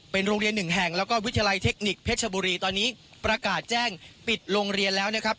เป็นโรงเรียนหนึ่งแห่งแล้วก็วิทยาลัยเทคนิคเพชรบุรีตอนนี้ประกาศแจ้งปิดโรงเรียนแล้วนะครับ